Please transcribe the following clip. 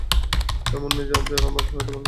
এমন নয় যে আমরা আপনাকে হারাতে পারব না।